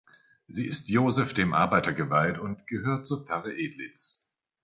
Sie ist Joseph dem Arbeiter geweiht und gehört zur Pfarre Edlitz.